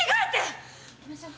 行きましょう。